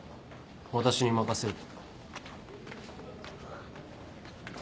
私に任せると。